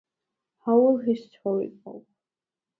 How will his story go?